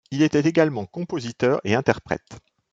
Il était également compositeur, et interprète.